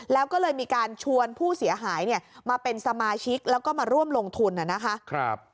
แล้วก็เลยมีการชวนผู้เสียหายมาเป็นสมาชิกแล้วก็มาร่วมลงทุนนะคะ